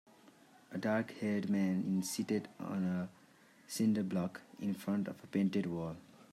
A darkhaired man in seated on a cinder block in front of a painted wall.